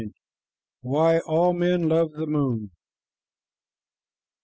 WHY ALL MEN LOVE THE MOON.